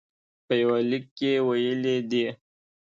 په یوه لیک کې ویلي دي.